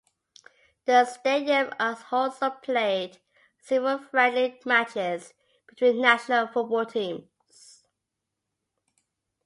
The stadium has also played several friendly matches between national football teams.